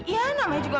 ya mama juga